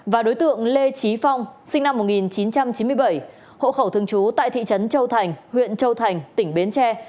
và đối tượng lê chí phong sinh năm một nghìn chín trăm chín mươi bảy hậu khẩu thương chú tại thị trấn châu thành huyện châu thành tỉnh bến tre